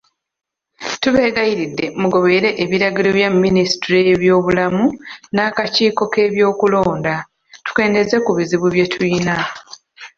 Tubeegayiridde mugoberere ebiragiro bya minisitule y'ebyobulamu n'akakiiko k'ebyokulonda, tukendeeze ku bizibu bye tulina.